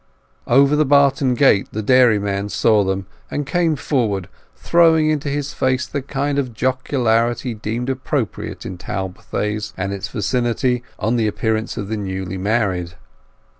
Over the barton gate the dairyman saw them, and came forward, throwing into his face the kind of jocularity deemed appropriate in Talbothays and its vicinity on the re appearance of the newly married.